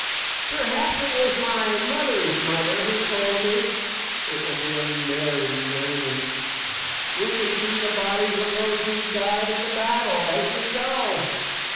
Perhaps it was my mother's mother who told me. It will be a merry journey—we can see the bodies of those who died in the battle as we go.